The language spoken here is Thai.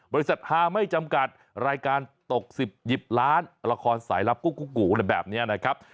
บริษัทฮาไม่จำกัดรายการตก๑๐ยิบล้านละครสายลับกุ๊กแบบนี้นะครับ